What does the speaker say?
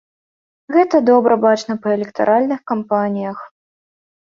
Гэта добра бачна па электаральных кампаніях.